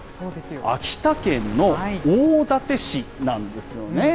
秋田県の大館市なんですよね。